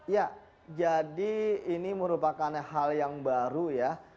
ya jadi ini merupakan hal yang baru ya